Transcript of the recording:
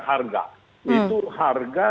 harga itu harga